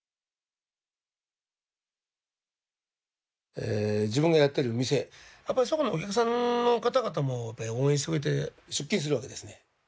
え自分がやってる店やっぱそこのお客さんの方々もやっぱり応援してくれて出勤するわけですね。